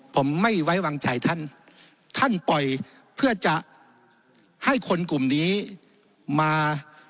ผมไม่ไว้วางใจท่านท่านปล่อยเพื่อจะให้คนกลุ่มนี้มา